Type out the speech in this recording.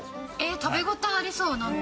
食べ応えありそう、なんか。